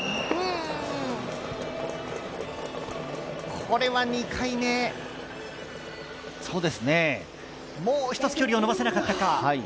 これは２回目、もうひとつ距離を延ばせなかったか。